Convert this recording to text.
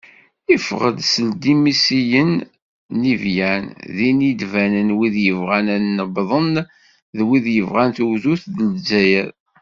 Yeffeɣ-d seld imsisiyen n Ivyan, din i d-banen wid yebɣan ad nebḍen d wid yebɣan tugdut deg Lezzayer.